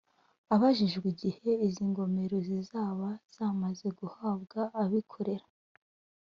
Abajijwe igihe izi ngomero zizaba zamaze guhabwa abikorera